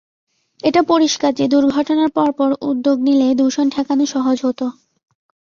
এটা পরিষ্কার যে দুর্ঘটনার পরপর উদ্যোগ নিলে দূষণ ঠেকানো সহজ হতো।